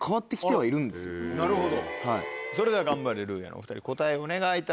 それではガンバレルーヤのお２人答えお願いいたします。